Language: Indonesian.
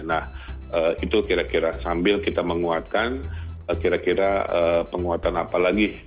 nah itu kira kira sambil kita menguatkan kira kira penguatan apa lagi